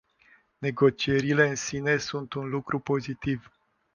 Negocierile în sine sunt un lucru pozitiv.